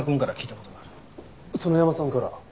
園山さんから？